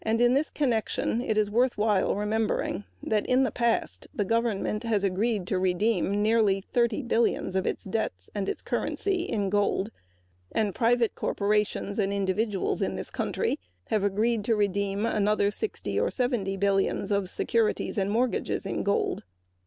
In this connection it is worth while remembering that in the past the government has agreed to redeem nearly thirty billions of its debts and its currency in gold, and private corporations in this country have agreed to redeem another sixty or seventy billions of securities and mortgages in gold.